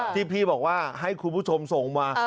ที่พี่บอกว่าให้คุณผู้ชมส่งมา